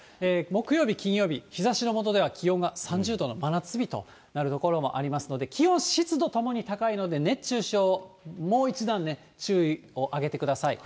木曜日、金曜日、日ざしの下では気温が３０度の真夏日となる所もありますので、気温、湿度ともに高いので熱中症、もう一段ね、注意を上げてください。